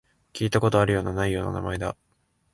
聞いたことあるような、ないような名前だ